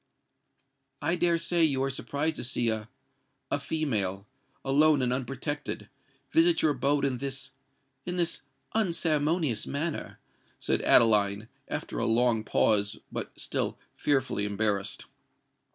"I dare say you are surprised to see a—a female—alone and unprotected—visit your abode in this—in this unceremonious manner?" said Adeline, after a long pause, but still fearfully embarrassed.